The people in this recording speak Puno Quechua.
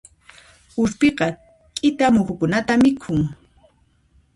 Urpiqa k'ita muhukunata mikhun.